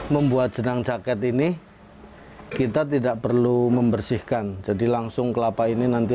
membuat jenang jaket ini kita tidak perlu membersihkan jadi langsung kelapa ini nanti